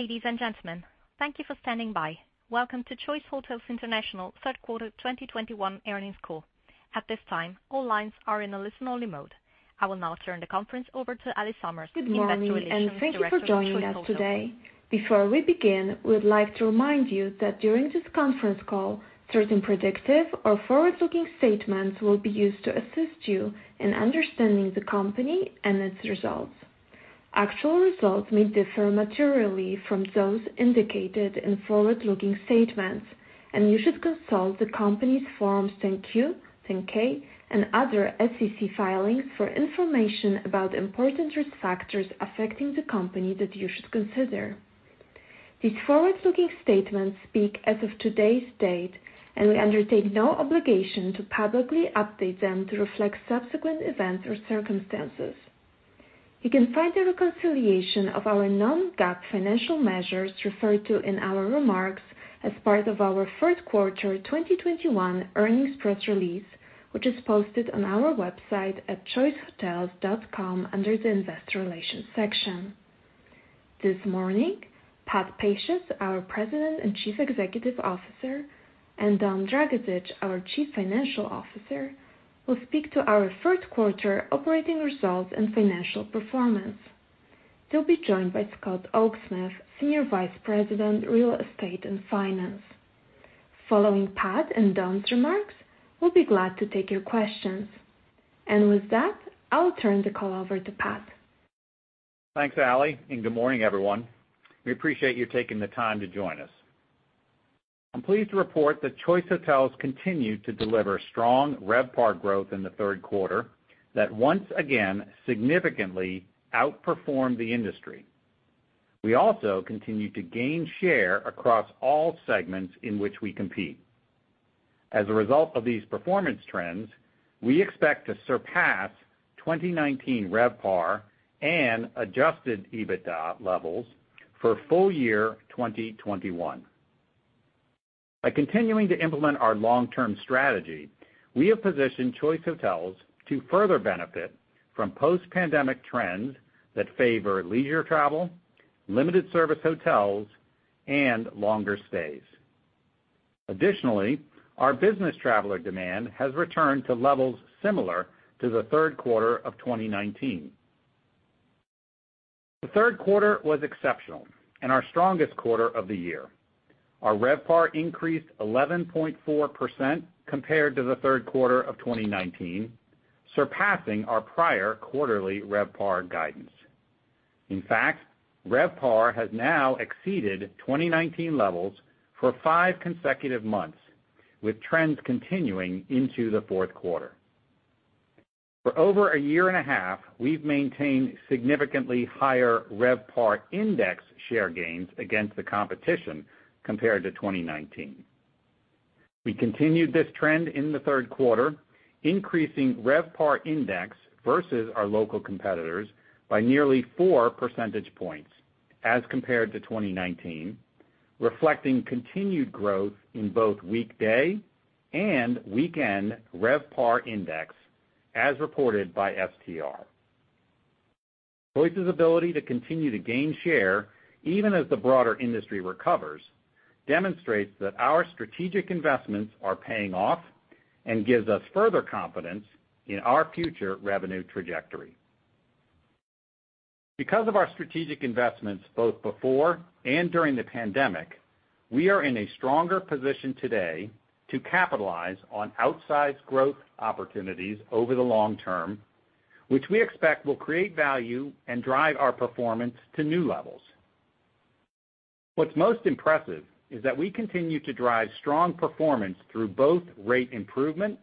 Ladies and gentlemen, thank you for standing by. Welcome to Choice Hotels International third quarter 2021 earnings call. At this time, all lines are in a listen-only mode. I will now turn the conference over to Allie Summers, Investor Relations Director for Choice Hotels. Good morning, and thank you for joining us today. Before we begin, we'd like to remind you that during this conference call, certain predictive or forward-looking statements will be used to assist you in understanding the company and its results. Actual results may differ materially from those indicated in forward-looking statements, and you should consult the company's Forms 10-Q, 10-K, and other SEC filings for information about important risk factors affecting the company that you should consider. These forward-looking statements speak as of today's date, and we undertake no obligation to publicly update them to reflect subsequent events or circumstances. You can find the reconciliation of our non-GAAP financial measures referred to in our remarks as part of our third quarter 2021 earnings press release, which is posted on our website at choicehotels.com under the Investor Relations section. This morning, Patrick Pacious, our President and Chief Executive Officer, and Dom Dragisich, our Chief Financial Officer, will speak to our third quarter operating results and financial performance. They'll be joined by Scott Oaksmith, Senior Vice President, Real Estate and Finance. Following Pat and Dom's remarks, we'll be glad to take your questions. With that, I'll turn the call over to Pat. Thanks, Ali, and good morning, everyone. We appreciate you taking the time to join us. I'm pleased to report that Choice Hotels continued to deliver strong RevPAR growth in the third quarter that once again significantly outperformed the industry. We also continued to gain share across all segments in which we compete. As a result of these performance trends, we expect to surpass 2019 RevPAR and adjusted EBITDA levels for full year 2021. By continuing to implement our long-term strategy, we have positioned Choice Hotels to further benefit from post-pandemic trends that favor leisure travel, limited service hotels, and longer stays. Additionally, our business traveler demand has returned to levels similar to the third quarter of 2019. The third quarter was exceptional and our strongest quarter of the year. Our RevPAR increased 11.4% compared to the third quarter of 2019, surpassing our prior quarterly RevPAR guidance. In fact, RevPAR has now exceeded 2019 levels for 5 consecutive months, with trends continuing into the fourth quarter. For over a year and a half, we've maintained significantly higher RevPAR index share gains against the competition compared to 2019. We continued this trend in the third quarter, increasing RevPAR index versus our local competitors by nearly four percentage points as compared to 2019, reflecting continued growth in both weekday and weekend RevPAR index as reported by STR. Choice's ability to continue to gain share, even as the broader industry recovers, demonstrates that our strategic investments are paying off and gives us further confidence in our future revenue trajectory. Because of our strategic investments both before and during the pandemic, we are in a stronger position today to capitalize on outsized growth opportunities over the long term, which we expect will create value and drive our performance to new levels. What's most impressive is that we continue to drive strong performance through both rate improvement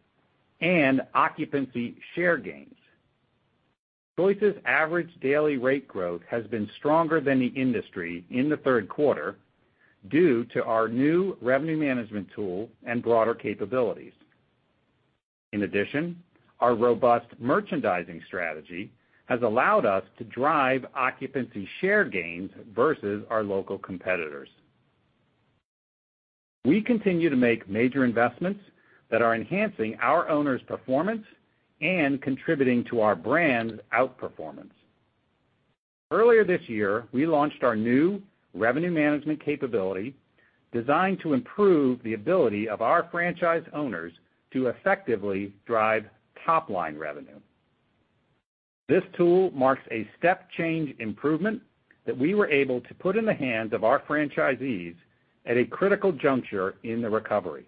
and occupancy share gains. Choice's average daily rate growth has been stronger than the industry in the third quarter due to our new revenue management tool and broader capabilities. In addition, our robust merchandising strategy has allowed us to drive occupancy share gains versus our local competitors. We continue to make major investments that are enhancing our owners' performance and contributing to our brand outperformance. Earlier this year, we launched our new revenue management capability designed to improve the ability of our franchise owners to effectively drive top-line revenue. This tool marks a step change improvement that we were able to put in the hands of our franchisees at a critical juncture in the recovery.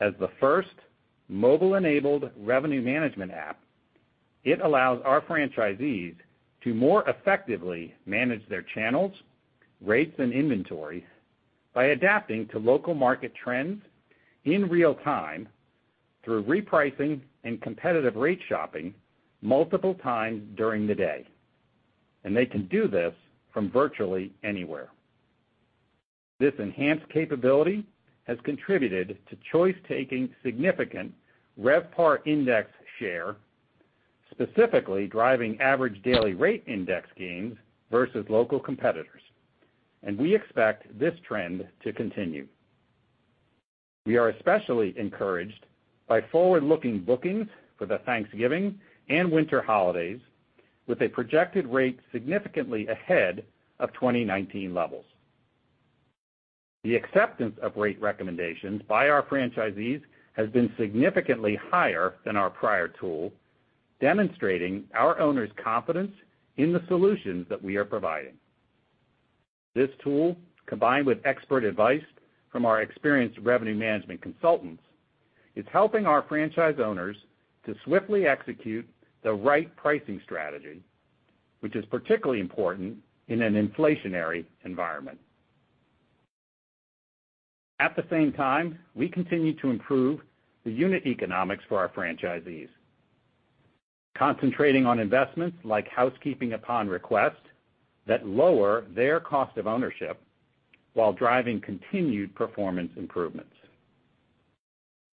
As the first mobile-enabled revenue management app, it allows our franchisees to more effectively manage their channels, rates, and inventory by adapting to local market trends in real time through repricing and competitive rate shopping multiple times during the day. They can do this from virtually anywhere. This enhanced capability has contributed to Choice taking significant RevPAR index share, specifically driving average daily rate index gains versus local competitors, and we expect this trend to continue. We are especially encouraged by forward-looking bookings for the Thanksgiving and winter holidays, with a projected rate significantly ahead of 2019 levels. The acceptance of rate recommendations by our franchisees has been significantly higher than our prior tool, demonstrating our owners' confidence in the solutions that we are providing. This tool, combined with expert advice from our experienced revenue management consultants, is helping our franchise owners to swiftly execute the right pricing strategy, which is particularly important in an inflationary environment. At the same time, we continue to improve the unit economics for our franchisees, concentrating on investments like housekeeping upon request that lower their cost of ownership while driving continued performance improvements.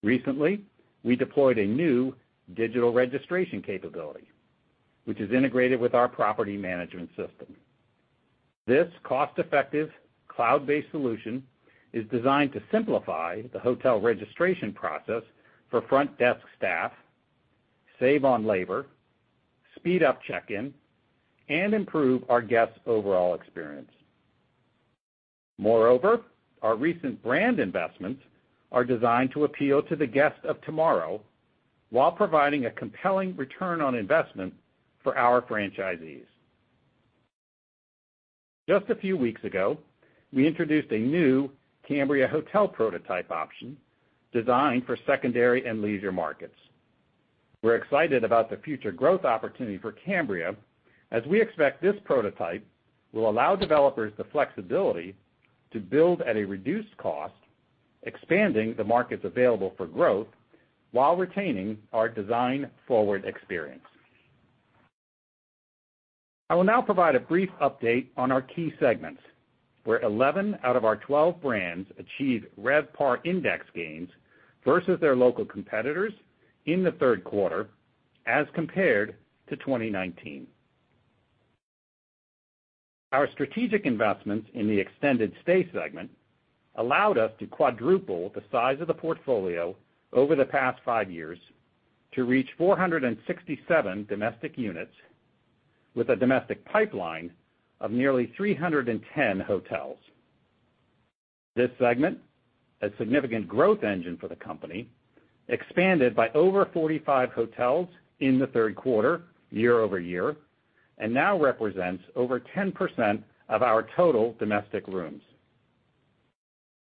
Recently, we deployed a new digital registration capability, which is integrated with our property management system. This cost-effective cloud-based solution is designed to simplify the hotel registration process for front desk staff, save on labor, speed up check-in, and improve our guests' overall experience. Moreover, our recent brand investments are designed to appeal to the guests of tomorrow while providing a compelling return on investment for our franchisees. Just a few weeks ago, we introduced a new Cambria Hotel prototype option designed for secondary and leisure markets. We're excited about the future growth opportunity for Cambria, as we expect this prototype will allow developers the flexibility to build at a reduced cost, expanding the markets available for growth while retaining our design-forward experience. I will now provide a brief update on our key segments, where 11 out of our 12 brands achieved RevPAR index gains versus their local competitors in the third quarter as compared to 2019. Our strategic investments in the extended stay segment allowed us to quadruple the size of the portfolio over the past 5 years to reach 467 domestic units with a domestic pipeline of nearly 310 hotels. This segment, a significant growth engine for the company, expanded by over 45 hotels in the third quarter year-over-year and now represents over 10% of our total domestic rooms.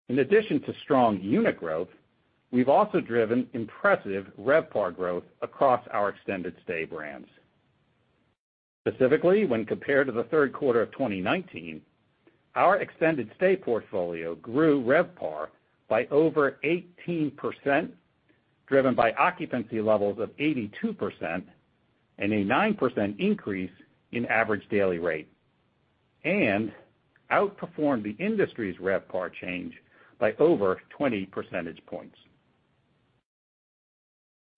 In addition to strong unit growth, we've also driven impressive RevPAR growth across our extended stay brands. Specifically, when compared to the third quarter of 2019, our extended stay portfolio grew RevPAR by over 18%, driven by occupancy levels of 82% and a 9% increase in average daily rate, and outperformed the industry's RevPAR change by over 20 percentage points.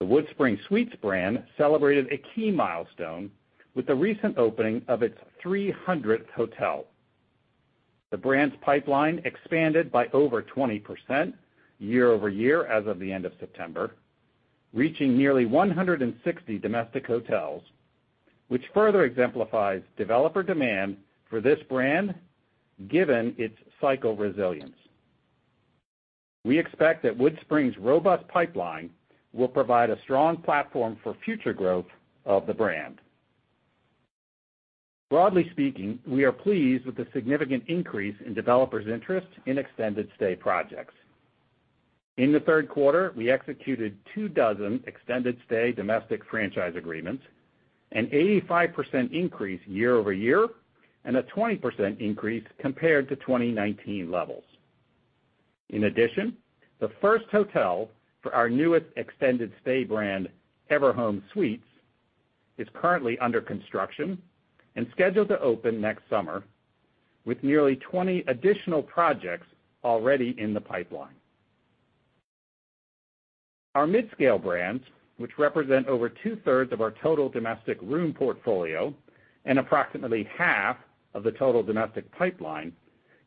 The WoodSpring Suites brand celebrated a key milestone with the recent opening of its 300th hotel. The brand's pipeline expanded by over 20% year- over -year as of the end of September, reaching nearly 160 domestic hotels, which further exemplifies developer demand for this brand given its cycle resilience. We expect that WoodSpring's robust pipeline will provide a strong platform for future growth of the brand. Broadly speaking, we are pleased with the significant increase in developers' interest in extended stay projects. In the third quarter, we executed 24 extended stay domestic franchise agreements, an 85% increase year -over -year and a 20% increase compared to 2019 levels. In addition, the first hotel for our newest extended stay brand, Everhome Suites, is currently under construction and scheduled to open next summer with nearly 20 additional projects already in the pipeline. Our midscale brands, which represent over two-thirds of our total domestic room portfolio and approximately half of the total domestic pipeline,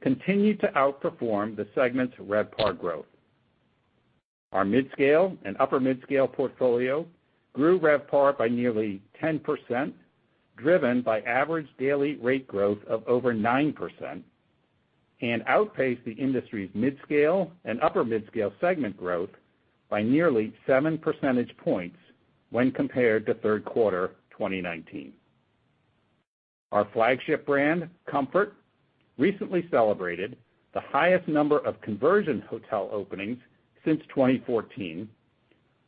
continued to outperform the segment's RevPAR growth. Our midscale and upper midscale portfolio grew RevPAR by nearly 10%, driven by average daily rate growth of over 9% and outpaced the industry's midscale and upper midscale segment growth by nearly seven percentage points when compared to third quarter 2019. Our flagship brand, Comfort, recently celebrated the highest number of conversion hotel openings since 2014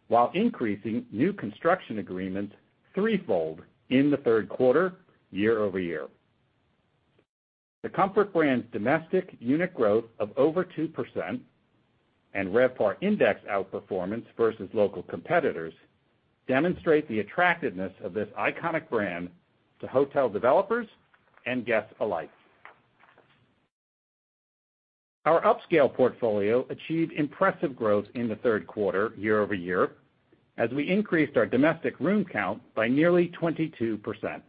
while increasing new construction agreements threefold in the third quarter year-over-year. The Comfort brand's domestic unit growth of over 2% and RevPAR index outperformance versus local competitors demonstrate the attractiveness of this iconic brand to hotel developers and guests alike. Our upscale portfolio achieved impressive growth in the third quarter year-over-year as we increased our domestic room count by nearly 22%,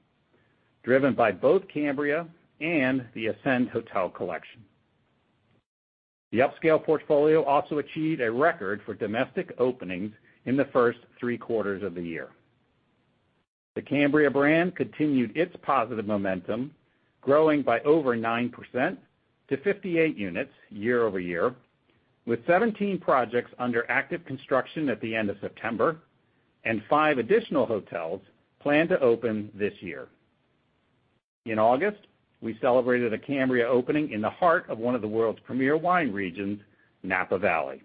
driven by both Cambria and the Ascend Hotel Collection. The upscale portfolio also achieved a record for domestic openings in the first three quarters of the year. The Cambria brand continued its positive momentum, growing by over 9% to 58 units year-over-year, with 17 projects under active construction at the end of September and 5 additional hotels planned to open this year. In August, we celebrated a Cambria opening in the heart of one of the world's premier wine regions, Napa Valley.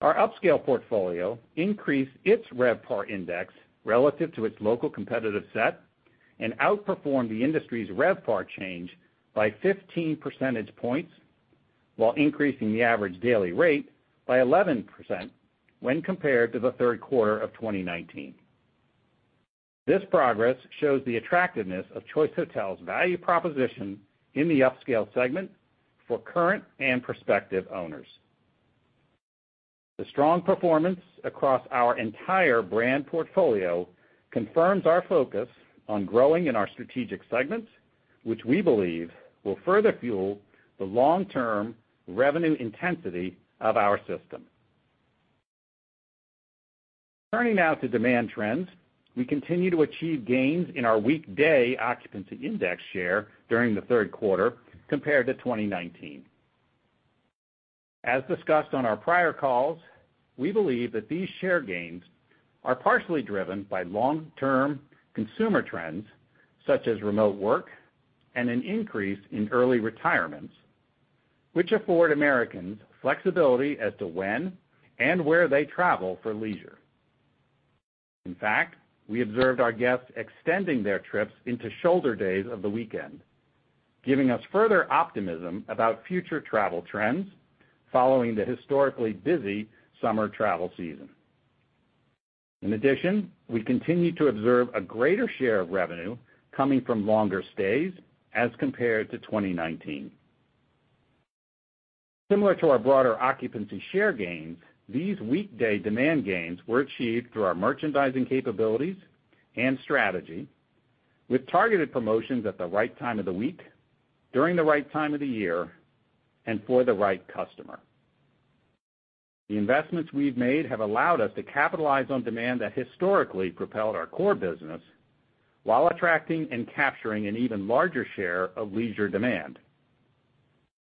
Our upscale portfolio increased its RevPAR index relative to its local competitive set and outperformed the industry's RevPAR change by 15 percentage points while increasing the average daily rate by 11% when compared to the third quarter of 2019. This progress shows the attractiveness of Choice Hotels value proposition in the upscale segment for current and prospective owners. The strong performance across our entire brand portfolio confirms our focus on growing in our strategic segments, which we believe will further fuel the long-term revenue intensity of our system. Turning now to demand trends. We continue to achieve gains in our weekday occupancy index share during the third quarter compared to 2019. As discussed on our prior calls, we believe that these share gains are partially driven by long-term consumer trends, such as remote work and an increase in early retirements, which afford Americans flexibility as to when and where they travel for leisure. In fact, we observed our guests extending their trips into shoulder days of the weekend, giving us further optimism about future travel trends following the historically busy summer travel season. In addition, we continue to observe a greater share of revenue coming from longer stays as compared to 2019. Similar to our broader occupancy share gains, these weekday demand gains were achieved through our merchandising capabilities and strategy with targeted promotions at the right time of the week, during the right time of the year, and for the right customer. The investments we've made have allowed us to capitalize on demand that historically propelled our core business while attracting and capturing an even larger share of leisure demand.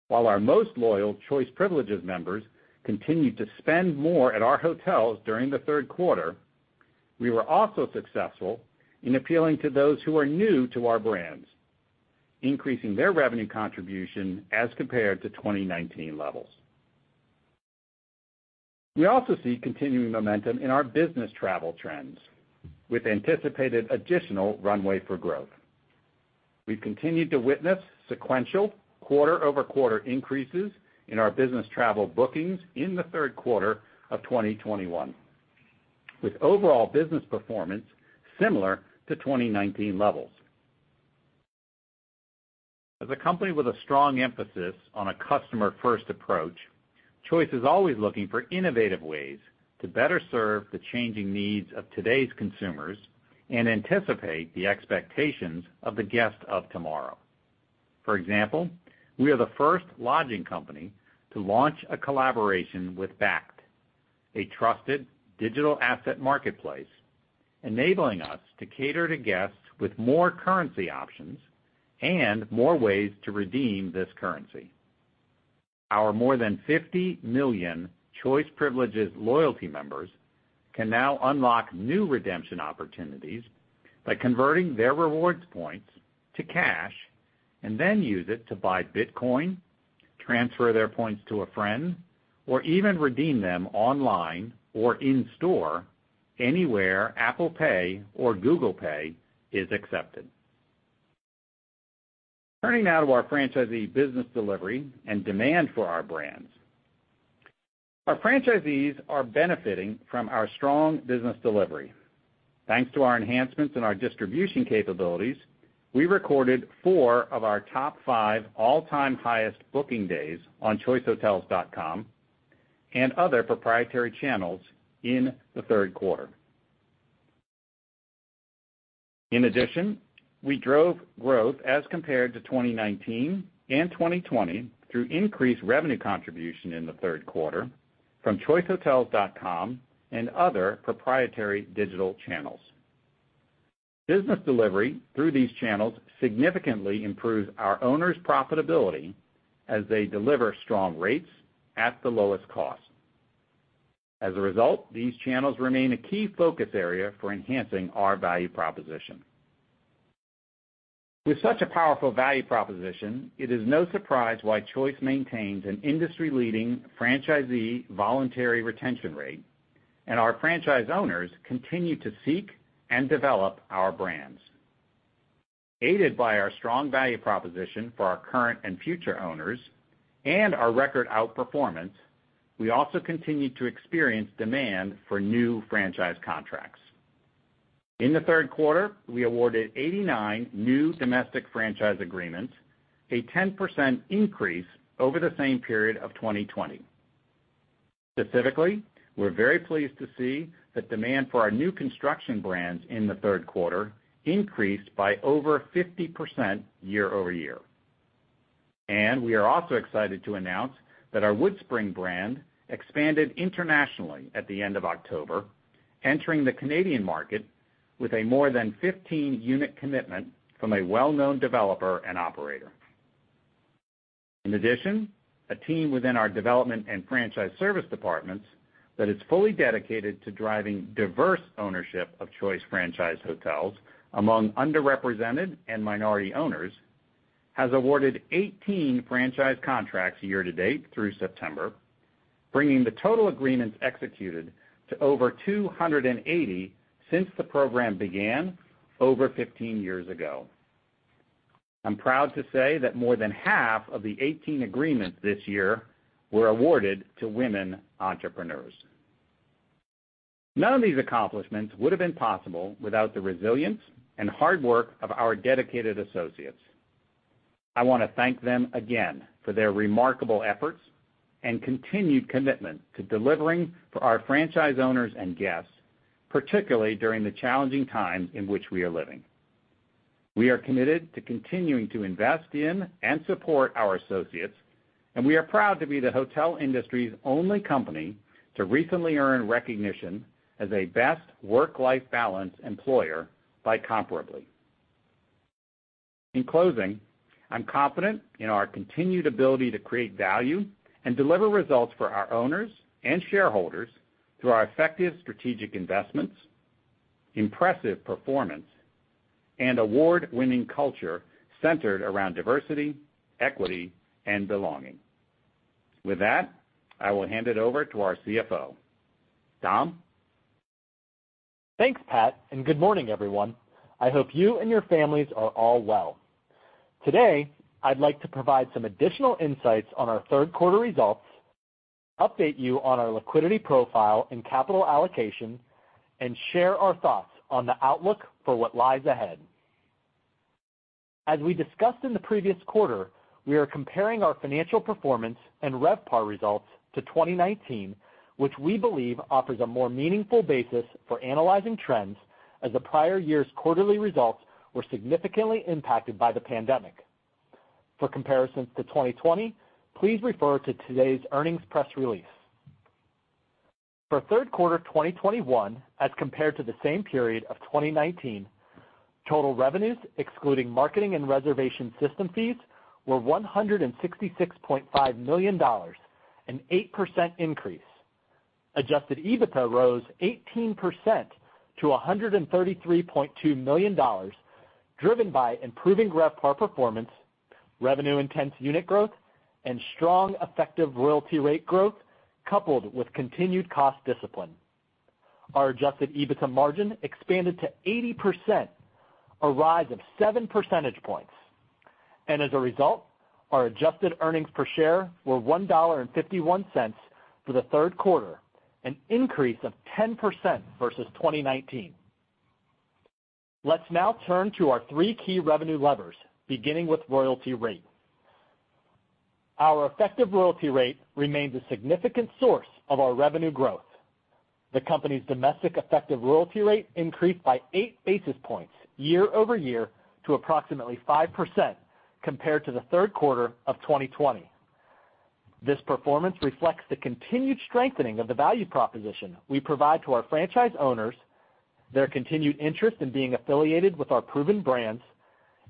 While our most loyal Choice Privileges members continued to spend more at our hotels during the third quarter, we were also successful in appealing to those who are new to our brands, increasing their revenue contribution as compared to 2019 levels. We also see continuing momentum in our business travel trends with anticipated additional runway for growth. We've continued to witness sequential quarter-over-quarter increases in our business travel bookings in the third quarter of 2021, with overall business performance similar to 2019 levels. As a company with a strong emphasis on a customer-first approach, Choice is always looking for innovative ways to better serve the changing needs of today's consumers and anticipate the expectations of the guests of tomorrow. For example, we are the first lodging company to launch a collaboration with Bakkt, a trusted digital asset marketplace, enabling us to cater to guests with more currency options and more ways to redeem this currency. Our more than 50 million Choice Privileges loyalty members can now unlock new redemption opportunities by converting their rewards points to cash and then use it to buy Bitcoin, transfer their points to a friend, or even redeem them online or in store anywhere Apple Pay or Google Pay is accepted. Turning now to our franchisee business delivery and demand for our brands. Our franchisees are benefiting from our strong business delivery. Thanks to our enhancements in our distribution capabilities, we recorded four of our top five all-time highest booking days on choicehotels.com and other proprietary channels in the third quarter. In addition, we drove growth as compared to 2019 and 2020 through increased revenue contribution in the third quarter from choicehotels.com and other proprietary digital channels. Business delivery through these channels significantly improves our owners' profitability as they deliver strong rates at the lowest cost. As a result, these channels remain a key focus area for enhancing our value proposition. With such a powerful value proposition, it is no surprise why Choice maintains an industry-leading franchisee voluntary retention rate, and our franchise owners continue to seek and develop our brands. Aided by our strong value proposition for our current and future owners and our record outperformance, we also continue to experience demand for new franchise contracts. In the third quarter, we awarded 89 new domestic franchise agreements, a 10% increase over the same period of 2020. Specifically, we're very pleased to see that demand for our new construction brands in the third quarter increased by over 50% year-over-year. We are also excited to announce that our WoodSpring brand expanded internationally at the end of October, entering the Canadian market with a more than 15-unit commitment from a well-known developer and operator. In addition, a team within our development and franchise service departments that is fully dedicated to driving diverse ownership of Choice franchise hotels among underrepresented and minority owners, has awarded 18 franchise contracts year to date through September, bringing the total agreements executed to over 280 since the program began over 15 years ago. I'm proud to say that more than half of the 18 agreements this year were awarded to women entrepreneurs. None of these accomplishments would have been possible without the resilience and hard work of our dedicated associates. I want to thank them again for their remarkable efforts and continued commitment to delivering for our franchise owners and guests, particularly during the challenging times in which we are living. We are committed to continuing to invest in and support our associates, and we are proud to be the hotel industry's only company to recently earn recognition as a Best Work-Life Balance Employer by Comparably. In closing, I'm confident in our continued ability to create value and deliver results for our owners and shareholders through our effective strategic investments, impressive performance, and award-winning culture centered around diversity, equity, and belonging. With that, I will hand it over to our CFO. Dom? Thanks, Pat, and good morning, everyone. I hope you and your families are all well. Today, I'd like to provide some additional insights on our third quarter results, update you on our liquidity profile and capital allocation, and share our thoughts on the outlook for what lies ahead. As we discussed in the previous quarter, we are comparing our financial performance and RevPAR results to 2019, which we believe offers a more meaningful basis for analyzing trends as the prior year's quarterly results were significantly impacted by the pandemic. For comparisons to 2020, please refer to today's earnings press release. For third quarter of 2021, as compared to the same period of 2019, total revenues excluding marketing and reservation system fees were $166.5 million, an 8% increase. Adjusted EBITDA rose 18% to $133.2 million, driven by improving RevPAR performance, revenue-intensive unit growth, and strong effective royalty rate growth, coupled with continued cost discipline. Our adjusted EBITDA margin expanded to 80%, a rise of seven percentage points. As a result, our adjusted earnings per share were $1.51 for the third quarter, an increase of 10% versus 2019. Let's now turn to our three key revenue levers, beginning with royalty rate. Our effective royalty rate remains a significant source of our revenue growth. The company's domestic effective royalty rate increased by eight basic points year-over-year to approximately 5% compared to the third quarter of 2020. This performance reflects the continued strengthening of the value proposition we provide to our franchise owners, their continued interest in being affiliated with our proven brands,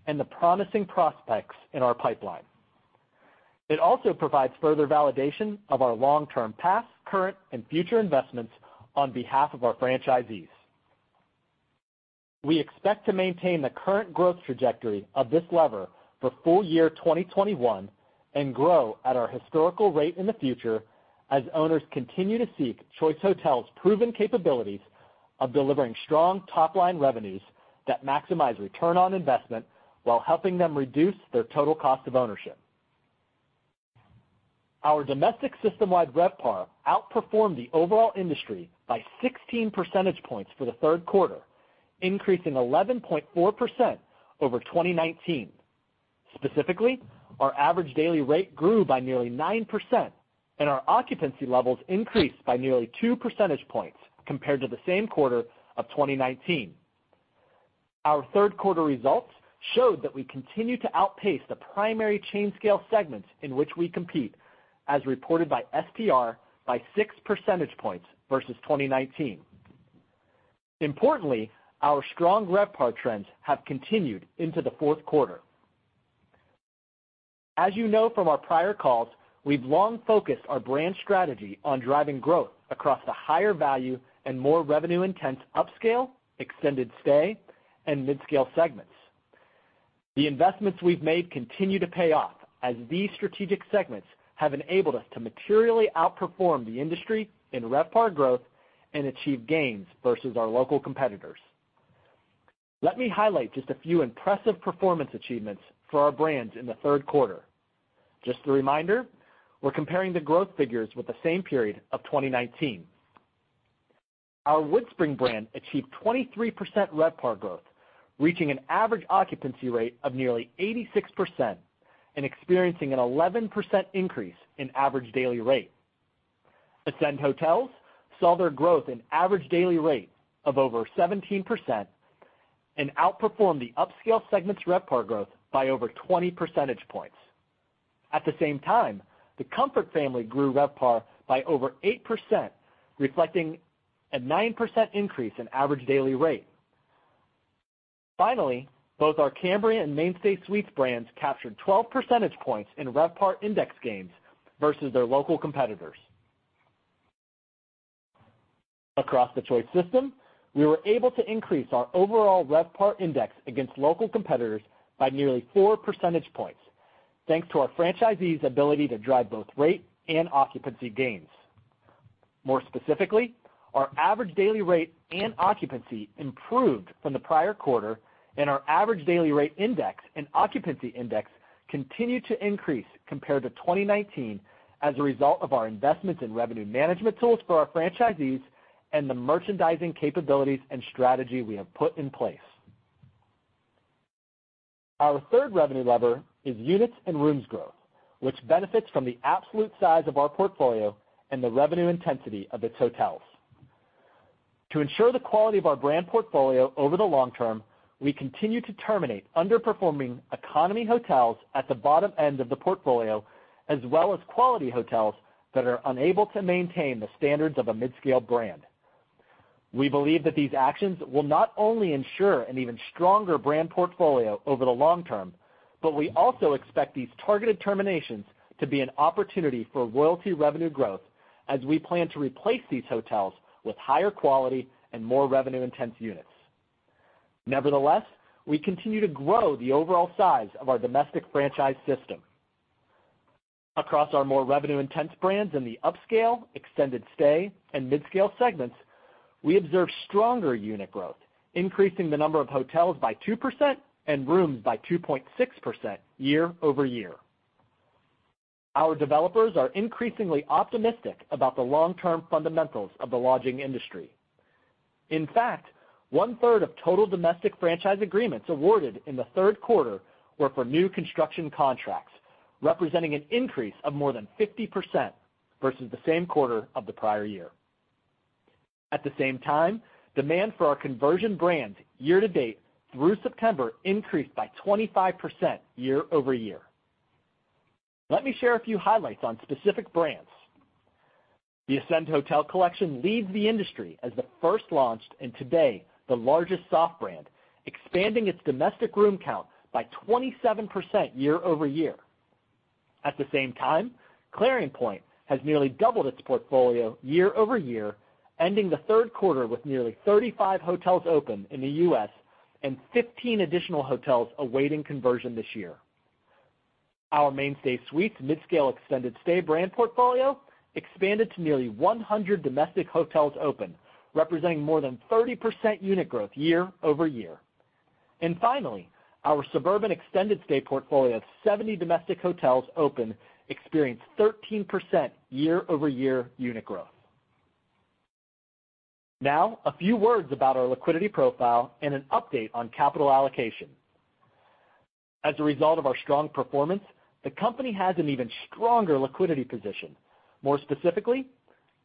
and the promising prospects in our pipeline. It also provides further validation of our long-term past, current, and future investments on behalf of our franchisees. We expect to maintain the current growth trajectory of this lever for full year 2021 and grow at our historical rate in the future as owners continue to seek Choice Hotels' proven capabilities of delivering strong top-line revenues that maximize return on investment while helping them reduce their total cost of ownership. Our domestic system-wide RevPAR outperformed the overall industry by 16 percentage points for the third quarter, increasing 11.4% over 2019. Specifically, our average daily rate grew by nearly 9%, and our occupancy levels increased by nearly 2 percentage points compared to the same quarter of 2019. Our third quarter results showed that we continue to outpace the primary chain scale segments in which we compete, as reported by STR, by six percentage points versus 2019. Importantly, our strong RevPAR trends have continued into the fourth quarter. As you know from our prior calls, we've long focused our brand strategy on driving growth across the higher value and more revenue-intense upscale, extended stay, and midscale segments. The investments we've made continue to pay off as these strategic segments have enabled us to materially outperform the industry in RevPAR growth and achieve gains versus our local competitors. Let me highlight just a few impressive performance achievements for our brands in the third quarter. Just a reminder, we're comparing the growth figures with the same period of 2019. Our WoodSpring brand achieved 23% RevPAR growth, reaching an average occupancy rate of nearly 86% and experiencing an 11% increase in average daily rate. Ascend Hotels saw their growth in average daily rate of over 17% and outperformed the upscale segment's RevPAR growth by over 20 percentage points. At the same time, the Comfort family grew RevPAR by over 8%, reflecting a 9% increase in average daily rate. Finally, both our Cambria and MainStay Suites brands captured 12 percentage points in RevPAR index gains versus their local competitors. Across the Choice system, we were able to increase our overall RevPAR index against local competitors by nearly four percentage points, thanks to our franchisees' ability to drive both rate and occupancy gains. More specifically, our average daily rate and occupancy improved from the prior quarter, and our average daily rate index and occupancy index continued to increase compared to 2019 as a result of our investments in revenue management tools for our franchisees and the merchandising capabilities and strategy we have put in place. Our third revenue lever is units and rooms growth, which benefits from the absolute size of our portfolio and the revenue intensity of its hotels. To ensure the quality of our brand portfolio over the long term, we continue to terminate underperforming economy hotels at the bottom end of the portfolio, as well as quality hotels that are unable to maintain the standards of a mid-scale brand. We believe that these actions will not only ensure an even stronger brand portfolio over the long term, but we also expect these targeted terminations to be an opportunity for royalty revenue growth as we plan to replace these hotels with higher quality and more revenue-intensive units. Nevertheless, we continue to grow the overall size of our domestic franchise system. Across our more revenue-intensive brands in the upscale, extended stay, and midscale segments, we observed stronger unit growth, increasing the number of hotels by 2% and rooms by 2.6% year-over-year. Our developers are increasingly optimistic about the long-term fundamentals of the lodging industry. In fact, one-third of total domestic franchise agreements awarded in the third quarter were for new construction contracts, representing an increase of more than 50% versus the same quarter of the prior year. At the same time, demand for our conversion brands year to date through September increased by 25% year-over-year. Let me share a few highlights on specific brands. The Ascend Hotel Collection leads the industry as the first launched and today the largest soft brand, expanding its domestic room count by 27% year-over-year. At the same time, Clarion Pointe has nearly doubled its portfolio year-over-year, ending the third quarter with nearly 35 hotels open in the U.S. and 15 additional hotels awaiting conversion this year. Our MainStay Suites midscale extended stay brand portfolio expanded to nearly 100 domestic hotels open, representing more than 30% unit growth year-over-year. Finally, our Suburban Extended Stay Hotel portfolio of 70 domestic hotels open experienced 13% year-over-year unit growth. Now, a few words about our liquidity profile and an update on capital allocation. As a result of our strong performance, the company has an even stronger liquidity position. More specifically,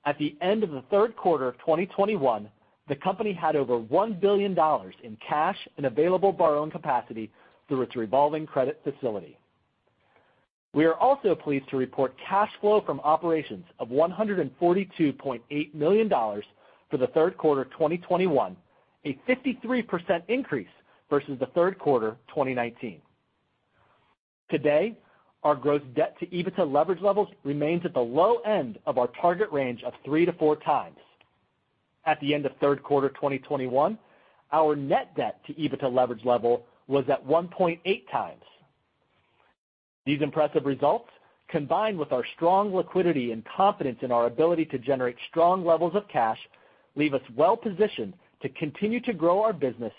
at the end of the third quarter of 2021, the company had over $1 billion in cash and available borrowing capacity through its revolving credit facility. We are also pleased to report cash flow from operations of $142.8 million for the third quarter of 2021, a 53% increase versus the third quarter of 2019. Today, our gross debt to EBITDA leverage levels remains at the low end of our target range of 3-4 times. At the end of third quarter 2021, our net debt to EBITDA leverage level was at 1.8 times. These impressive results, combined with our strong liquidity and confidence in our ability to generate strong levels of cash, leave us well positioned to continue to grow our business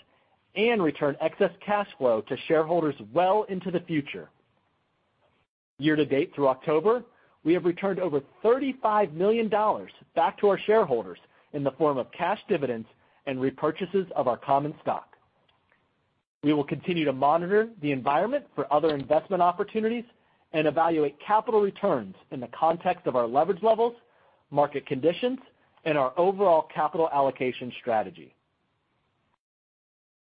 and return excess cash flow to shareholders well into the future. Year to date through October, we have returned over $35 million back to our shareholders in the form of cash dividends and repurchases of our common stock. We will continue to monitor the environment for other investment opportunities and evaluate capital returns in the context of our leverage levels, market conditions, and our overall capital allocation strategy.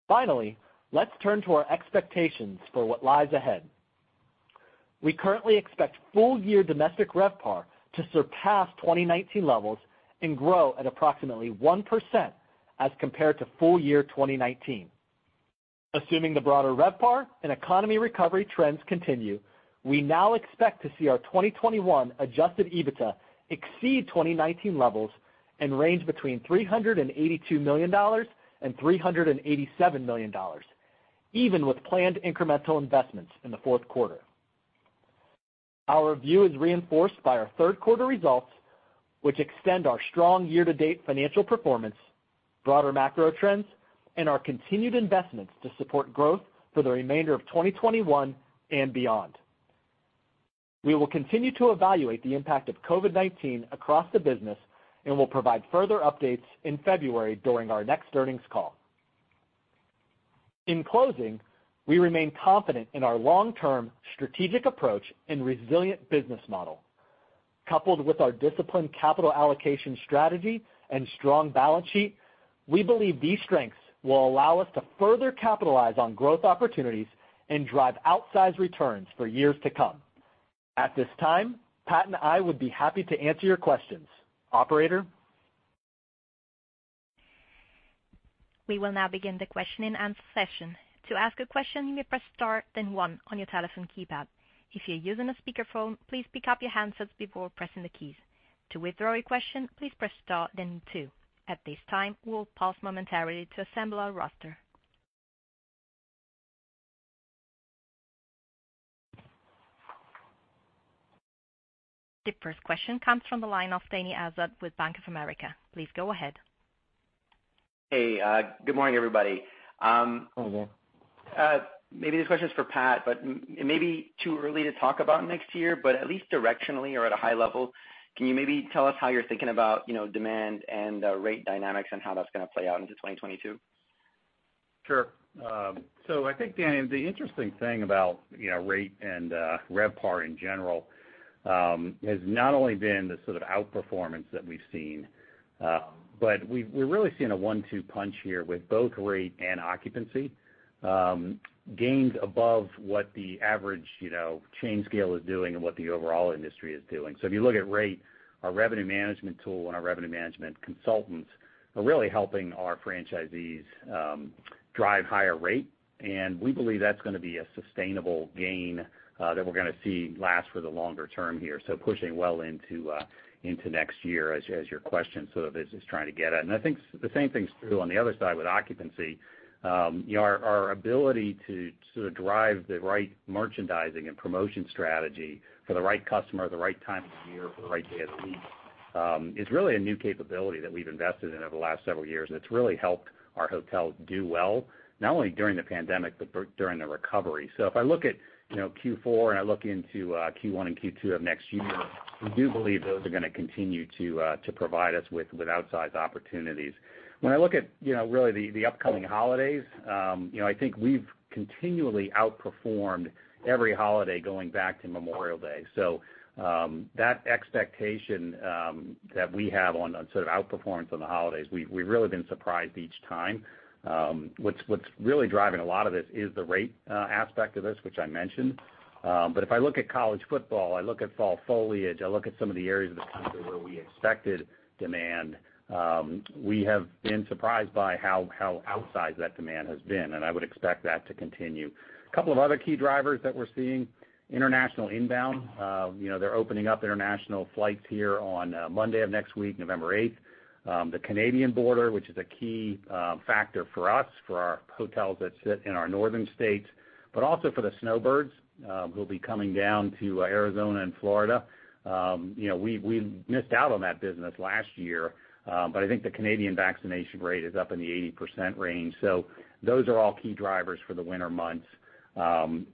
Finally, let's turn to our expectations for what lies ahead. We currently expect full-year domestic RevPAR to surpass 2019 levels and grow at approximately 1% as compared to full-year 2019. Assuming the broader RevPAR and economy recovery trends continue, we now expect to see our 2021 adjusted EBITDA exceed 2019 levels and range between $382 million and $387 million, even with planned incremental investments in the fourth quarter. Our view is reinforced by our third quarter results, which extend our strong year-to-date financial performance, broader macro trends, and our continued investments to support growth for the remainder of 2021 and beyond. We will continue to evaluate the impact of COVID-19 across the business, and we'll provide further updates in February during our next earnings call. In closing, we remain confident in our long-term strategic approach and resilient business model. Coupled with our disciplined capital allocation strategy and strong balance sheet, we believe these strengths will allow us to further capitalize on growth opportunities and drive outsized returns for years to come. At this time, Pat and I would be happy to answer your questions. Operator? We will now begin the question and answer session. To ask a question, you may press star then one on your telephone keypad. If you're using a speakerphone, please pick up your handset before pressing the keys. To withdraw your question, please press star then two. At this time, we'll pause momentarily to assemble our roster. The first question comes from the line of Dany Asad with Bank of America. Please go ahead. Hey, good morning, everybody. Maybe this question is for Pat, but it may be too early to talk about next year, but at least directionally or at a high level, can you maybe tell us how you're thinking about, you know, demand and rate dynamics and how that's gonna play out into 2022? Sure. I think, Dany, the interesting thing about, you know, rate and RevPAR in general has not only been the sort of outperformance that we've seen, but we're really seeing a one-two punch here with both rate and occupancy gains above what the average, you know, chain scale is doing and what the overall industry is doing. If you look at rate, our revenue management tool and our revenue management consultants are really helping our franchisees drive higher rate, and we believe that's gonna be a sustainable gain that we're gonna see last for the longer term here. Pushing well into next year as your question sort of is trying to get at. I think the same thing's true on the other side with occupancy. You know, our ability to drive the right merchandising and promotion strategy for the right customer at the right time of the year for the right day of the week is really a new capability that we've invested in over the last several years. It's really helped our hotels do well, not only during the pandemic, but during the recovery. If I look at Q4 and I look into Q1 and Q2 of next year, we do believe those are gonna continue to provide us with outsized opportunities. When I look at really the upcoming holidays, you know, I think we've continually outperformed every holiday going back to Memorial Day. That expectation that we have on a sort of outperformance on the holidays, we've really been surprised each time. What's really driving a lot of this is the rate aspect of this, which I mentioned. If I look at college football, I look at fall foliage, I look at some of the areas of the country where we expected demand, we have been surprised by how outsized that demand has been, and I would expect that to continue. A couple of other key drivers that we're seeing, international inbound. You know, they're opening up international flights here on Monday of next week, November eighth. The Canadian border, which is a key factor for us, for our hotels that sit in our northern states, but also for the snowbirds, who'll be coming down to Arizona and Florida. You know, we missed out on that business last year, but I think the Canadian vaccination rate is up in the 80% range. Those are all key drivers for the winter months. You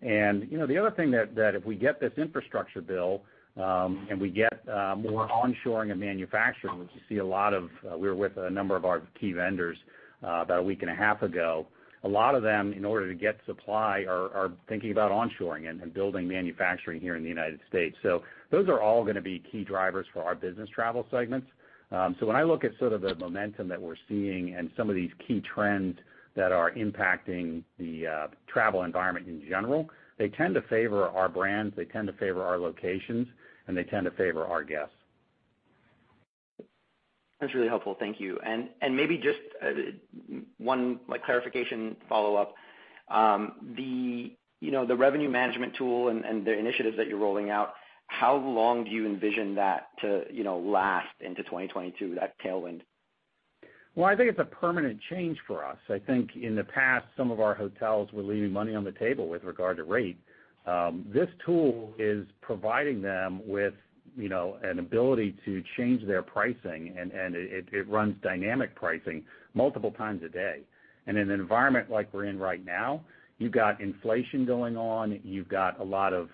know, the other thing that if we get this infrastructure bill and we get more onshoring of manufacturing, which you see a lot of, we were with a number of our key vendors about a week and a half ago. A lot of them, in order to get supply, are thinking about onshoring and building manufacturing here in the United States. Those are all gonna be key drivers for our business travel segments. When I look at sort of the momentum that we're seeing and some of these key trends that are impacting the travel environment in general, they tend to favor our brands, they tend to favor our locations, and they tend to favor our guests. That's really helpful. Thank you. Maybe just one like clarification follow-up, you know, the revenue management tool and the initiatives that you're rolling out, how long do you envision that to last into 2022, that tailwind? Well, I think it's a permanent change for us. I think in the past, some of our hotels were leaving money on the table with regard to rate. This tool is providing them with, you know, an ability to change their pricing and it runs dynamic pricing multiple times a day. In an environment like we're in right now, you've got inflation going on, you've got a lot of,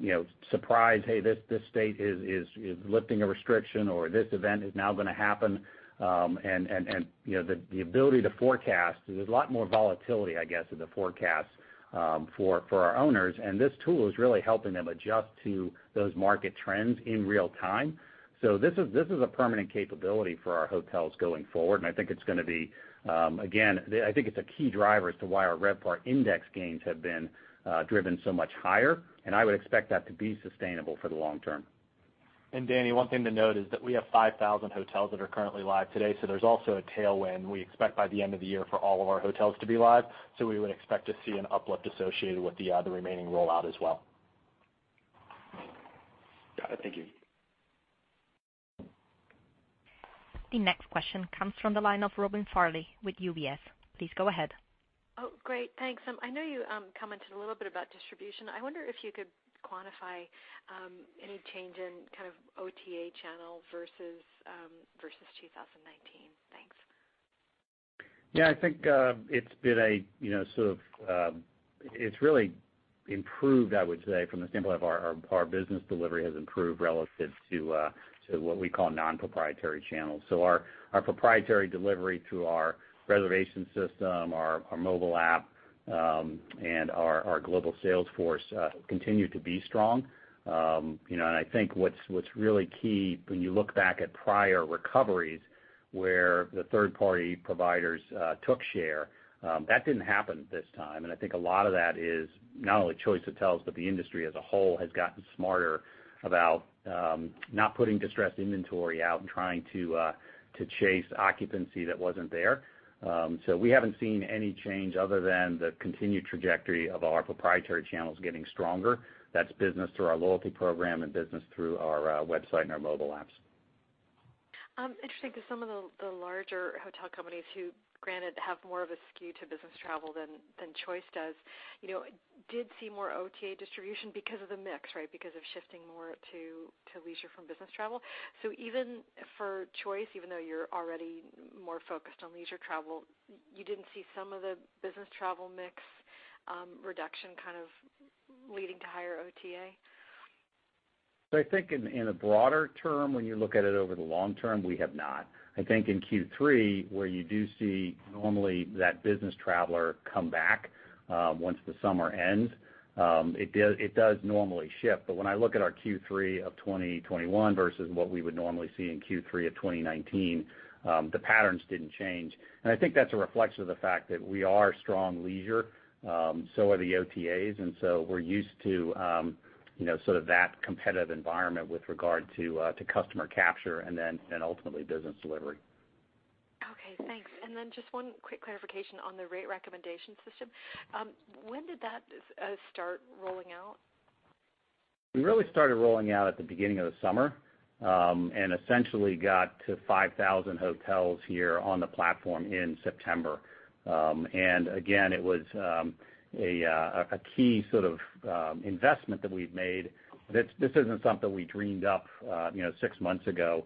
you know, surprise, "Hey, this state is lifting a restriction or this event is now gonna happen." You know, the ability to forecast, there's a lot more volatility, I guess, in the forecast, for our owners. This tool is really helping them adjust to those market trends in real time. This is a permanent capability for our hotels going forward, and I think it's a key driver as to why our RevPAR index gains have been driven so much higher, and I would expect that to be sustainable for the long term. Dany, one thing to note is that we have 5,000 hotels that are currently live today, so there's also a tailwind we expect by the end of the year for all of our hotels to be live, so we would expect to see an uplift associated with the remaining rollout as well. Got it. Thank you. The next question comes from the line of Robin Farley with UBS. Please go ahead. Oh, great. Thanks. I know you commented a little bit about distribution. I wonder if you could quantify any change in kind of OTA channel versus 2019. Thanks. Yeah, I think it's really improved, I would say, from the standpoint of our business delivery has improved relative to what we call non-proprietary channels. Our proprietary delivery through our reservation system, our mobile app, and our global sales force continue to be strong. You know, I think what's really key when you look back at prior recoveries where the third-party providers took share, that didn't happen this time. I think a lot of that is not only Choice Hotels, but the industry as a whole has gotten smarter about not putting distressed inventory out and trying to chase occupancy that wasn't there. We haven't seen any change other than the continued trajectory of our proprietary channels getting stronger. That's business through our loyalty program and business through our website and our mobile apps. Interesting because some of the larger hotel companies who have more of a skew to business travel than Choice does, you know, did see more OTA distribution because of the mix, right? Because of shifting more to leisure from business travel. Even for Choice, even though you're already more focused on leisure travel, you didn't see some of the business travel mix, reduction kind of leading to higher OTA? I think in a broader term, when you look at it over the long term, we have not. I think in Q3, where you do see normally that business traveler come back once the summer ends, it does normally shift. When I look at our Q3 of 2021 versus what we would normally see in Q3 of 2019, the patterns didn't change. I think that's a reflection of the fact that we are strong leisure, so are the OTAs. We're used to, you know, sort of that competitive environment with regard to customer capture and then ultimately business delivery. Okay, thanks. Just one quick clarification on the rate recommendation system. When did that start rolling out? We really started rolling out at the beginning of the summer and essentially got to 5,000 hotels here on the platform in September. Again, it was a key sort of investment that we've made that this isn't something we dreamed up, you know, six months ago.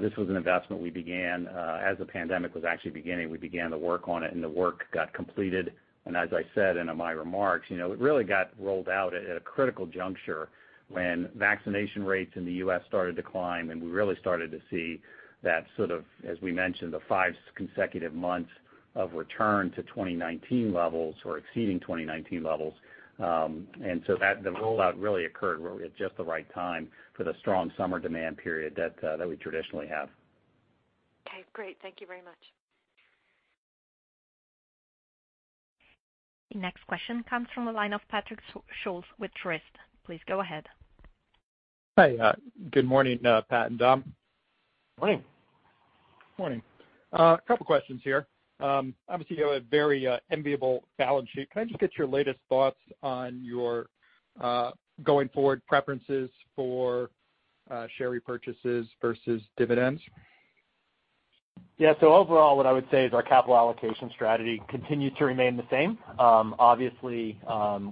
This was an investment we began as the pandemic was actually beginning. We began to work on it, and the work got completed. As I said in my remarks, you know, it really got rolled out at a critical juncture when vaccination rates in the U.S. started to climb, and we really started to see that sort of, as we mentioned, the 5 consecutive months of return to 2019 levels or exceeding 2019 levels. The rollout really occurred at just the right time for the strong summer demand period that we traditionally have. Okay, great. Thank you very much. The next question comes from the line of Patrick Scholes with Truist. Please go ahead. Hi. Good morning, Pat and Dom. Morning. Morning. A couple questions here. Obviously you have a very enviable balance sheet. Can I just get your latest thoughts on your going forward preferences for share repurchases versus dividends? Yeah. Overall, what I would say is our capital allocation strategy continues to remain the same. Obviously,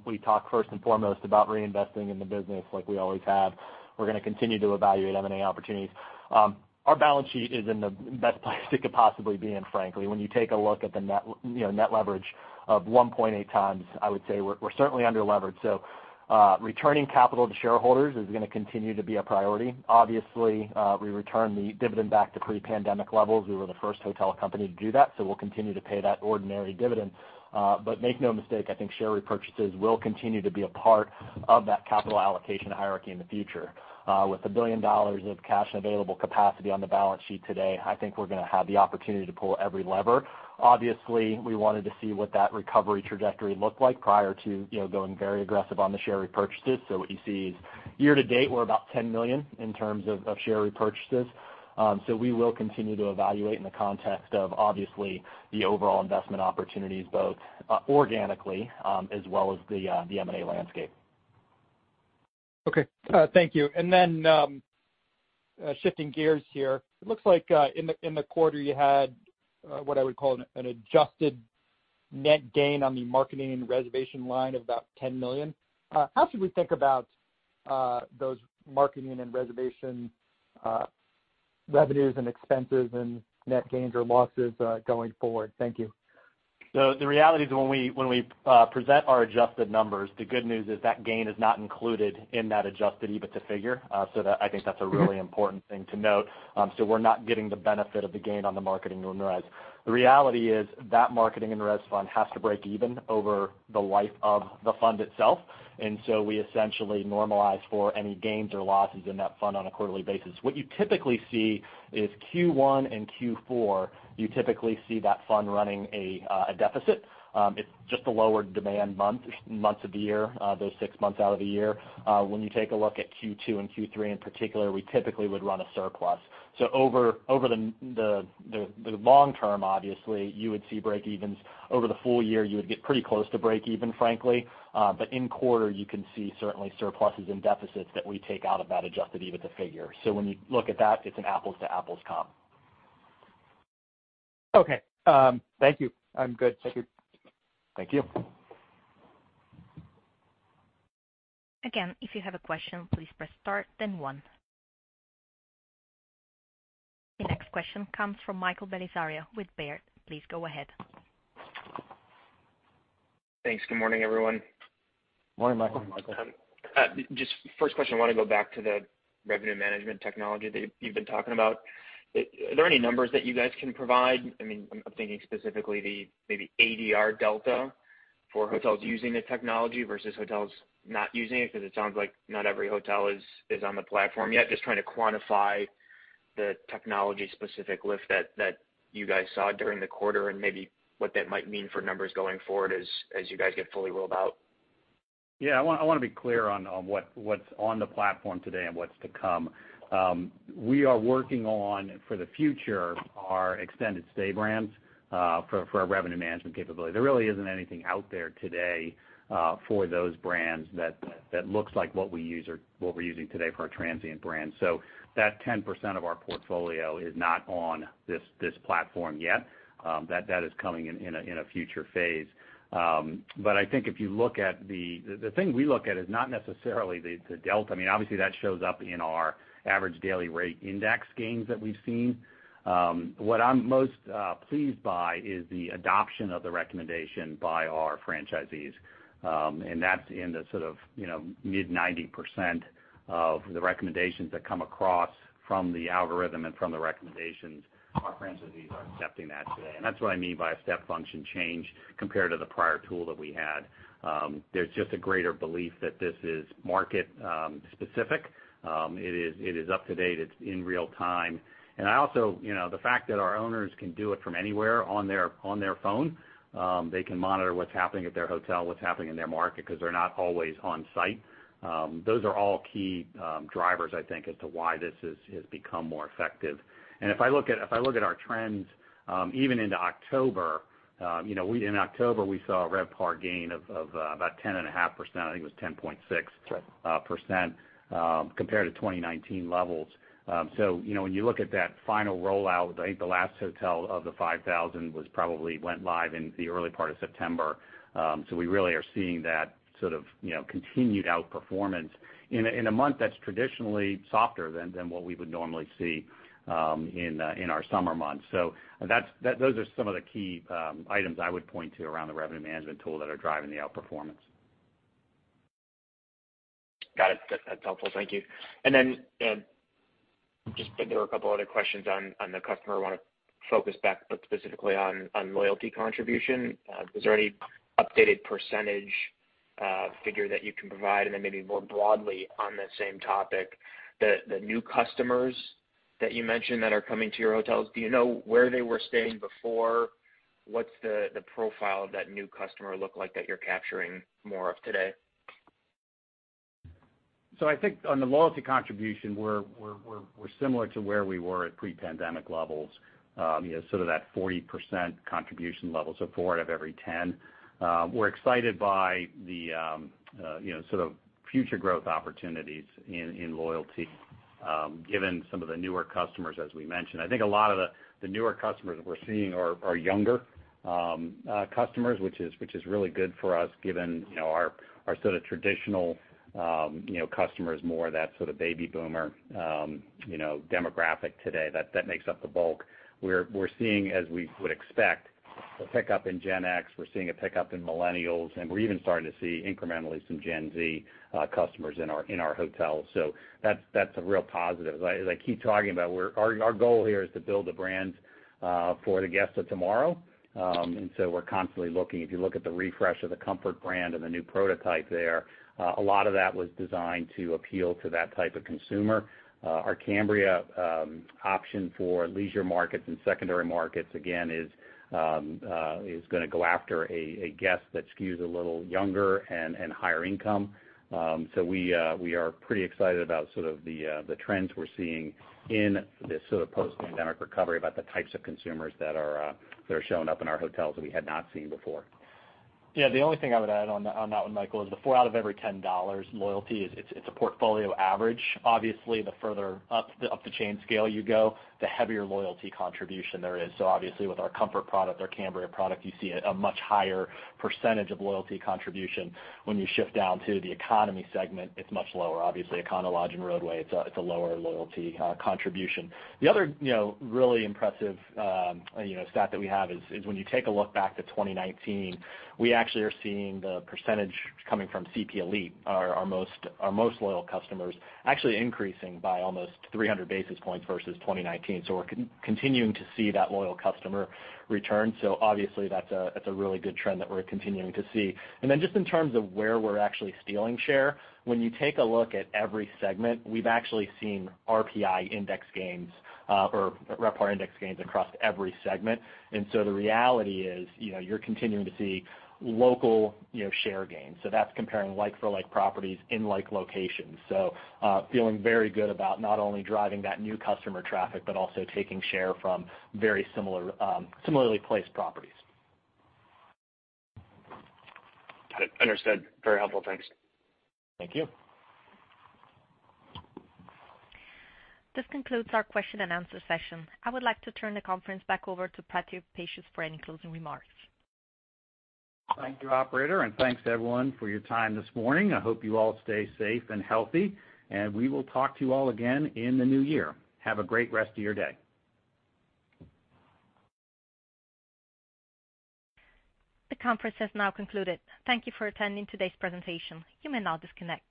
we talk first and foremost about reinvesting in the business like we always have. We're gonna continue to evaluate M&A opportunities. Our balance sheet is in the best place it could possibly be in, frankly. When you take a look at the net, you know, net leverage of 1.8 times, I would say we're certainly underleveraged. Returning capital to shareholders is gonna continue to be a priority. Obviously, we returned the dividend back to pre-pandemic levels. We were the first hotel company to do that, so we'll continue to pay that ordinary dividend. Make no mistake, I think share repurchases will continue to be a part of that capital allocation hierarchy in the future. With $1 billion of cash and available capacity on the balance sheet today, I think we're gonna have the opportunity to pull every lever. Obviously, we wanted to see what that recovery trajectory looked like prior to, you know, going very aggressive on the share repurchases. What you see is year to date, we're about $10 million in terms of share repurchases. We will continue to evaluate in the context of obviously the overall investment opportunities, both organically as well as the M&A landscape. Okay. Thank you. Then, shifting gears here, it looks like in the quarter you had what I would call an adjusted net gain on the marketing and reservation line of about $10 million. How should we think about those marketing and reservation revenues and expenses and net gains or losses going forward? Thank you. The reality is when we present our adjusted numbers, the good news is that gain is not included in that adjusted EBITDA figure. I think that's a really important thing to note. We're not getting the benefit of the gain on the marketing and res. The reality is that marketing and res fund has to break even over the life of the fund itself. We essentially normalize for any gains or losses in that fund on a quarterly basis. What you typically see is Q1 and Q4, you typically see that fund running a deficit. It's just a lower demand months of the year, those six months out of the year. When you take a look at Q2 and Q3 in particular, we typically would run a surplus. Over the long term, obviously, you would see break evens. Over the full year, you would get pretty close to break even, frankly. In quarter, you can see certainly surpluses and deficits that we take out of that adjusted EBITDA figure. When you look at that, it's an apples to apples comp. Okay. Thank you. I'm good. Thank you. Thank you. Again, if you have a question, please press star then one. The next question comes from Michael Bellisario with Baird. Please go ahead. Thanks. Good morning, everyone. Morning, Michael. Just first question, I wanna go back to the revenue management technology that you've been talking about. Are there any numbers that you guys can provide? I mean, I'm thinking specifically the maybe ADR delta for hotels using the technology versus hotels not using it, 'cause it sounds like not every hotel is on the platform yet. Just trying to quantify the technology specific lift that you guys saw during the quarter and maybe what that might mean for numbers going forward as you guys get fully rolled out. I wanna be clear on what’s on the platform today and what’s to come. We are working on, for the future, our extended stay brands, for our revenue management capability. There really isn't anything out there today, for those brands that looks like what we use or what we're using today for our transient brands. That 10% of our portfolio is not on this platform yet. That is coming in a future phase. I think if you look at the thing we look at is not necessarily the delta. I mean, obviously, that shows up in our average daily rate index gains that we've seen. What I'm most pleased by is the adoption of the recommendation by our franchisees. That's in the sort of, you know, mid-90% of the recommendations that come across from the algorithm and from the recommendations, our franchisees are accepting that today. That's what I mean by a step function change compared to the prior tool that we had. There's just a greater belief that this is market specific. It is up to date. It's in real time. I also, you know, the fact that our owners can do it from anywhere on their phone, they can monitor what's happening at their hotel, what's happening in their market, 'cause they're not always on site. Those are all key drivers, I think, as to why this has become more effective. If I look at our trends, even into October, you know, in October, we saw a RevPAR gain of about 10.5%. I think it was 10.6%. Right ...% compared to 2019 levels. You know, when you look at that final rollout, I think the last hotel of the 5,000 was probably went live in the early part of September. We really are seeing that sort of, you know, continued outperformance in a month that's traditionally softer than what we would normally see in our summer months. That's, those are some of the key items I would point to around the revenue management tool that are driving the outperformance. Got it. That's helpful. Thank you. I just think there were a couple other questions on the customer. I want to focus back, but specifically on loyalty contribution. Is there any updated percentage figure that you can provide? Maybe more broadly on the same topic, the new customers that you mentioned that are coming to your hotels, do you know where they were staying before? What's the profile of that new customer look like that you're capturing more of today? I think on the loyalty contribution, we're similar to where we were at pre-pandemic levels. You know, sort of that 40% contribution level, so four out of every ten. We're excited by the you know, sort of future growth opportunities in loyalty, given some of the newer customers, as we mentioned. I think a lot of the newer customers that we're seeing are younger customers, which is really good for us given, you know, our sort of traditional you know, customers more of that sort of baby boomer you know, demographic today that makes up the bulk. We're seeing, as we would expect, a pickup in Gen X. We're seeing a pickup in millennials, and we're even starting to see incrementally some Gen Z customers in our hotels. That's a real positive. As I keep talking about, our goal here is to build the brands for the guests of tomorrow. We're constantly looking. If you look at the refresh of the Comfort brand and the new prototype there, a lot of that was designed to appeal to that type of consumer. Our Cambria option for leisure markets and secondary markets, again, is gonna go after a guest that skews a little younger and higher income. We are pretty excited about sort of the trends we're seeing in this sort of post-pandemic recovery about the types of consumers that are showing up in our hotels that we had not seen before. Yeah. The only thing I would add on that one, Michael, is the four out of every 10 dollars loyalty is a portfolio average. Obviously, the further up the chain scale you go, the heavier loyalty contribution there is. Obviously with our Comfort product, our Cambria product, you see a much higher percentage of loyalty contribution. When you shift down to the economy segment, it's much lower. Obviously, Econo Lodge and Rodeway, it's a lower loyalty contribution. The other really impressive stat that we have is when you take a look back to 2019, we actually are seeing the percentage coming from CP Elite, our most loyal customers, actually increasing by almost 300 basis points versus 2019. We're continuing to see that loyal customer return. Obviously that's a really good trend that we're continuing to see. Then just in terms of where we're actually stealing share, when you take a look at every segment, we've actually seen RPI index gains or RevPAR index gains across every segment. The reality is, you know, you're continuing to see local, you know, share gains. That's comparing like for like properties in like locations. Feeling very good about not only driving that new customer traffic, but also taking share from very similar, similarly placed properties. Got it. Understood. Very helpful. Thanks. Thank you. This concludes our question and answer session. I would like to turn the conference back over to Patrick Pacious for any closing remarks. Thank you, operator, and thanks to everyone for your time this morning. I hope you all stay safe and healthy, and we will talk to you all again in the new year. Have a great rest of your day. The conference has now concluded. Thank you for attending today's presentation. You may now disconnect.